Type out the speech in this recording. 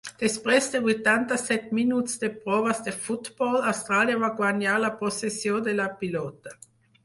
Després de vuitanta-set minuts de proves de futbol, Austràlia va guanyar la possessió de la pilota.